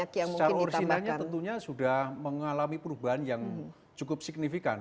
secara originalnya tentunya sudah mengalami perubahan yang cukup signifikan